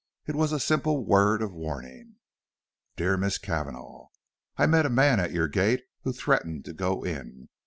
It was a simple word of warning. DEAR MISS CAVANAGH: I met a man at your gate who threatened to go in.